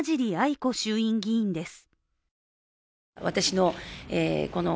伊子衆院議員です。